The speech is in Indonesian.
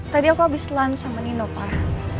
tadi aku abis lunch sama nino pak